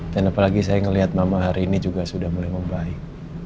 dan apalagi saya melihat mama hari ini juga sudah mulai membaik